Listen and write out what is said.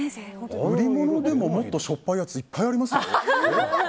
売り物でももっとしょっぱいやつありますよ。